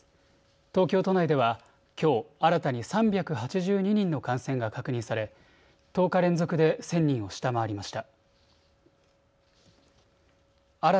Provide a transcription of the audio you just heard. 東京都内ではきょう新たに３８２人の感染が確認され１０日連続で１０００人を下回りました。